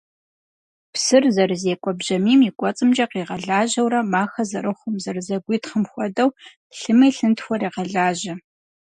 Псыр зэрызекӏуэ бжьамийм и кӏуэцӏымкӏэ къигъэлажьэурэ махэ зэрыхъум, зэрызэгуитхъым хуэдэу, лъыми лъынтхуэхэр егъэлажьэ.